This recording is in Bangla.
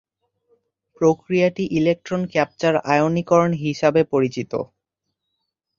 প্রক্রিয়াটি ইলেক্ট্রন ক্যাপচার আয়নীকরণ হিসাবে পরিচিত।